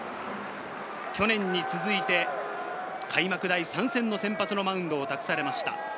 去年に続いて開幕第３戦の先発のマウンドを託されました。